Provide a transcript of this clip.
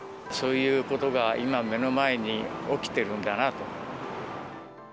そういうことが今、目の前に起きてるんだなと。